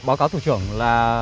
báo cáo thủ trưởng là